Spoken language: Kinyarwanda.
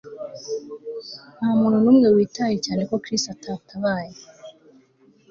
Ntamuntu numwe witaye cyane ko Chris atatabaye